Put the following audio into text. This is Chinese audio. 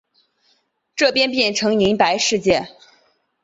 这边变成银白世界